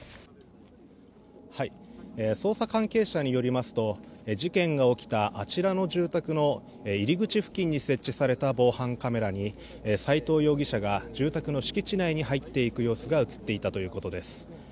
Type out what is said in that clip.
捜査関係者によりますと事件が起きたあちらの住宅の入り口付近に設置された防犯カメラに斎藤容疑者が住宅の敷地内に入っていく様子が映っていたということです。